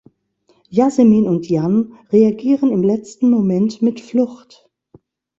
Yasemin und Jan reagieren im letzten Moment mit Flucht.